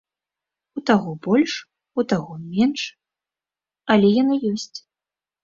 У таго больш, у таго менш, але яны ёсць.